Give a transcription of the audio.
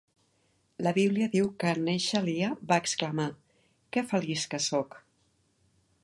La Bíblia diu que, en néixer, Lia va exclamar: Que feliç que soc!